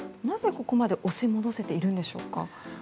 なぜ、ここまで押し戻せているんでしょうか。